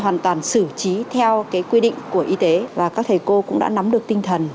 chúng tôi cũng đã tập trí theo quy định của y tế và các thầy cô cũng đã nắm được tinh thần